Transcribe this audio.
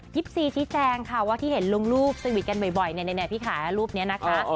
ซีชี้แจงค่ะว่าที่เห็นลงรูปสวิตช์กันบ่อยเนี่ยพี่ขารูปนี้นะคะ